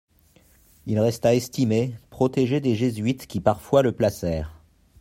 Il resta estimé, protégé des Jésuites qui parfois le placèrent.